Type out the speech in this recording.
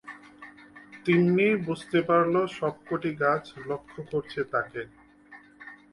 তিন্নি বুঝতে পারল সব কটি গাছ লক্ষ করছে তাকে।